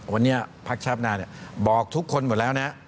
วันนี้พักชาปนาบอกทุกคนหมดแล้วนะ